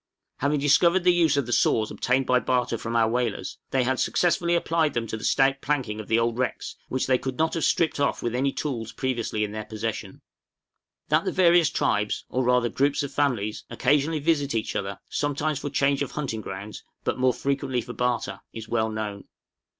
Having discovered the use of the saws obtained by barter from our whalers, they had successfully applied them to the stout planking of the old wrecks, which they could not have stripped off with any tools previously in their possession. {TRAVELS OF ESQUIMAUX.} That the various tribes, or rather groups of families, occasionally visit each other, sometimes for change of hunting grounds, but more frequently for barter, is well known.